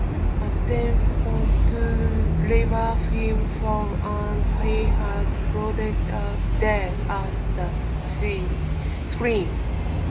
Attempts to revive him failed, and he was pronounced dead at the scene.